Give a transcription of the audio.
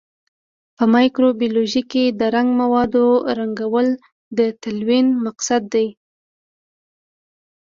په مایکروبیولوژي کې د رنګه موادو رنګول د تلوین مقصد دی.